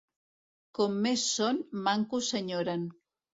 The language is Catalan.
Com més són, manco s'enyoren.